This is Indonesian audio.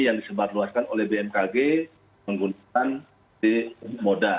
yang disebatluaskan oleh bmkg menggunakan di moda